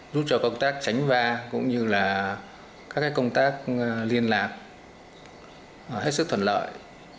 giúp cho công tác tránh va cũng như là các công tác liên lạc hết sức thuận lợi